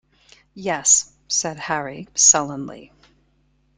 "Yes," said Harry sullenly.